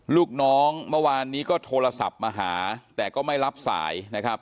ลูกน้องเมื่อวานนี้ก็โทรศัพท์มาหาแต่ก็ไม่รับสายนะครับ